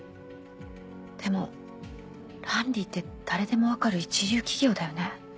でもランリーって誰でも分かる一流企業だよね？